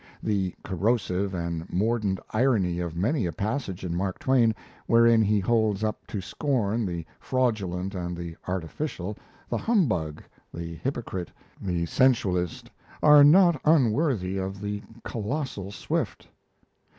The corrosive and mordant irony of many a passage in Mark Twain, wherein he holds up to scorn the fraudulent and the artificial, the humbug, the hypocrite, the sensualist, are not unworthy of the colossal Swift.